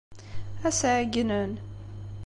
Ad as-ɛeyynen.